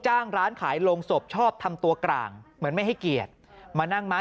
ร้านขายโรงศพชอบทำตัวกลางเหมือนไม่ให้เกียรติมานั่งไม้